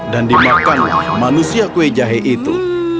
dan dimakanlah manusia kue jahe itu